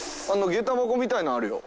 げた箱みたいのあるよ。